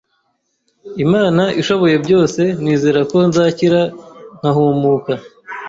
Imana ishoboye byose nizerako nzakira nkahumuka